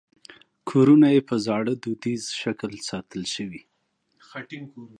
کورونه یې په زاړه دودیز شکل ساتل شوي.